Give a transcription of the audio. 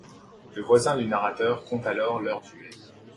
Le voisin du narrateur conte alors leur duel.